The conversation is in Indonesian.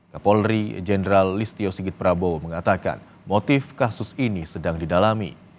kapolri jenderal listio sigit prabowo mengatakan motif kasus ini sedang didalami